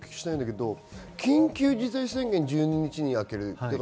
緊急事態宣言、１２日に明けます。